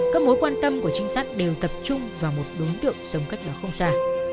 các mối quan tâm của trinh sát đều tập trung vào một đối tượng sống cách đó không xa